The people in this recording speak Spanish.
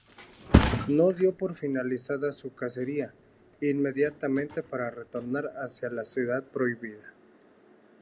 No dio por finalizada su cacería inmediatamente para retornar hacia la Ciudad Prohibida.